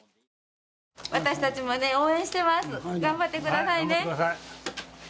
私たちも応援してます、頑張ってくださいね。